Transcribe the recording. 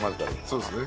そうですね。